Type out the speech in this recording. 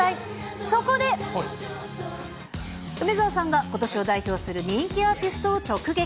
そこで、梅澤さんがことしを代表する人気アーティストを直撃。